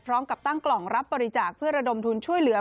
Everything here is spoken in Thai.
พร้อมกับตั้งกล่องรับบริจาคเพื่อระดมทุนช่วยเหลือ